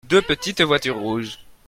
De petites voitures rouges.